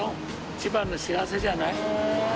一番の幸せじゃない？